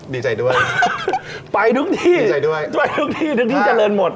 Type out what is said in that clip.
ดีใจด้วยดีใจด้วยไปทุกที่เจริญหมด